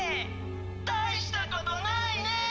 大したことないね！